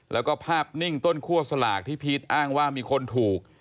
แล้วก็ภาพนิ่งต้นคั่วสลากที่พีชอ้างว่ามีคนถูก